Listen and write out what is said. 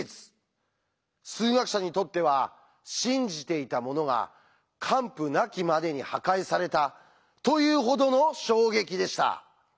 数学者にとっては信じていたものが完膚なきまでに破壊されたというほどの衝撃でした。